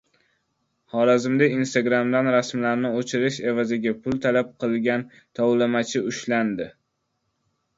Xorazmda “Instagram”dan rasmlarni o‘chirish evaziga pul talab qilgan tovlamachi ushlandi